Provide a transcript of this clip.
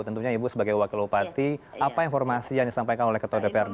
tentunya ibu sebagai wakil upati apa informasi yang disampaikan oleh ketua dprd